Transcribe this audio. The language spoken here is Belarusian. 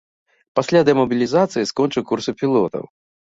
Пасля дэмабілізацыі скончыў курсы пілотаў.